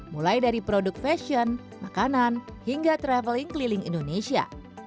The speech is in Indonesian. mulai dari produk fashion makanan hingga traveling keliling indonesia